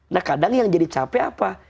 nah kadang yang jadi capek apa